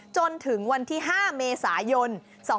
จนถึงวันที่๕เมษายน๒๕๕๙